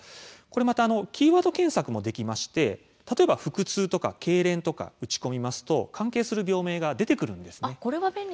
またキーワード検索もできまして例えば腹痛とか、けいれんとか打ち込みますと関係する病名が出てくるんです。